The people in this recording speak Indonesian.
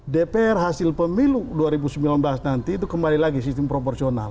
dpr hasil pemilu dua ribu sembilan belas nanti itu kembali lagi sistem proporsional